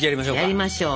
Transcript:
やりましょう！